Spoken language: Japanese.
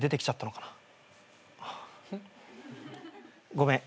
ごめん